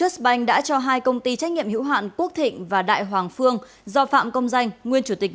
xin chào và hẹn gặp lại